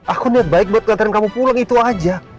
aku niat baik buat ngantarin kamu pulang itu aja